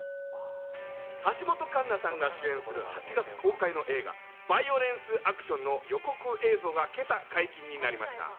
橋本環奈さんが主演する８月公開の映画『バイオレンスアクション』の予告映像が今朝、解禁になりました。